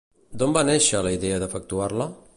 D'on va néixer la idea d'efectuar-la?